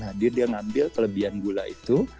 hadir dia ngambil kelebihan gula itu